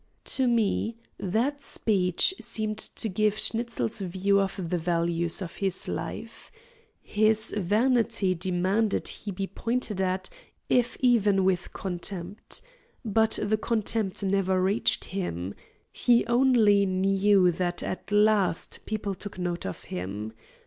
To me, that speech seemed to give Schnitzel's view of the values of his life. His vanity demanded he be pointed at, if even with contempt. But the contempt never reached him he only knew that at last people took note of him.